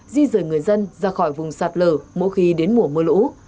di rời người dân ra khỏi vùng sạt lở mỗi khi đến mùa mưa lũ